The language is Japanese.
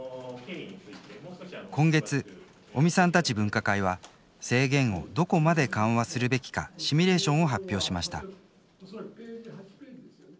今月尾身さんたち分科会は制限をどこまで緩和するべきかシミュレーションを発表しました。